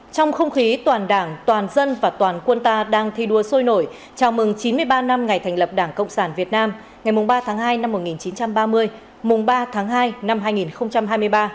trong không khí toàn đảng toàn dân và toàn quân ta đang thi đua sôi nổi chào mừng chín mươi ba năm ngày thành lập đảng cộng sản việt nam ngày ba tháng hai năm một nghìn chín trăm ba mươi mùng ba tháng hai năm hai nghìn hai mươi ba